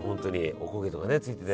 おこげとかねついてて。